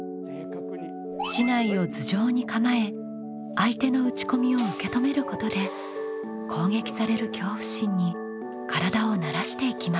竹刀を頭上に構え相手の打ち込みを受け止めることで攻撃される恐怖心に体を慣らしていきます。